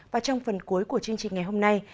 và trong phần cuối của chương trình ngày hôm nay